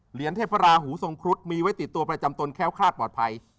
เหรียญเทพราหูทรงครุฑมีไว้ติดตัวประจำตนแค้วคลาดปลอดภัย